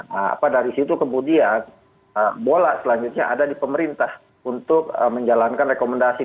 nah apa dari situ kemudian bola selanjutnya ada di pemerintah untuk menjalankan rekomendasi